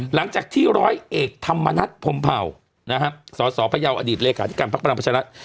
หลังจากที่ร้อยเอกธรรมนัฐพรมเผ่านะฮะสสพยาวอดีตเลขาธิการพักพลังประชารัฐ